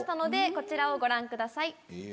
こちらをご覧ください。